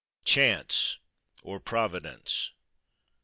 Chance: or Providence!